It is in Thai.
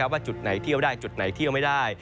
ว่าจุดไหนเที่ยวได้จุดไหนเที่ยวไม่ได้